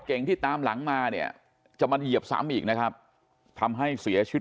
ที่ตามหลังมาเนี่ยจะมาเหยียบซ้ำอีกนะครับทำให้เสียชีวิต